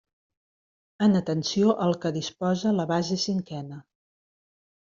En atenció al que disposa la base cinquena.